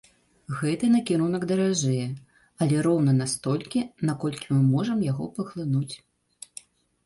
Гэты накірунак даражэе, але роўна настолькі, наколькі мы можам яго паглынуць.